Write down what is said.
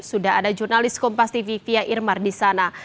sudah ada jurnalis kompas tv fia irmar di sana